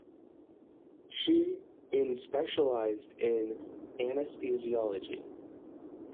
She in specialized in anesthesiology.